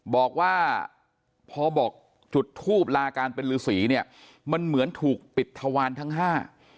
บอกว่าพอบอกจุดทูบลาการเป็นฤษีเนี่ยมันเหมือนถูกปิดทวารทั้งห้า